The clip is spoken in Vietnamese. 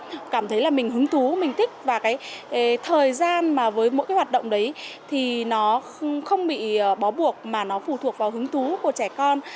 và nếu như trẻ cảm thấy là mình hứng thú mình thích và cái thời gian mà với mỗi cái hoạt động đấy thì nó không bị bó buộc mà nó phù thuộc vào hứng thú của trẻ con